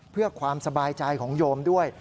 เพื่อความสบายใจของโยมด้วย